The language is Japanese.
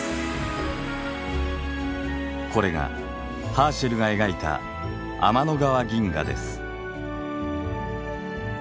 これがハーシェルが描いた天の川銀河です。